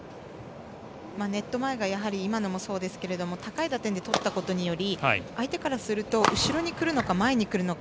ネット前がやはり今のもそうですけど高い打点でとったことによって相手からすると後ろに来るのか前に来るのか